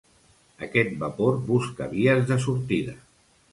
Aquest vapor busca vies de sortida.